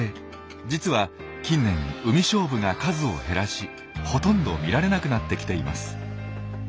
実は近年ウミショウブが数を減らしほとんど見られなくなってきています。